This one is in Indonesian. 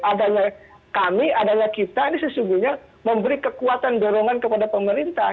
adanya kami adanya kita ini sesungguhnya memberi kekuatan dorongan kepada pemerintah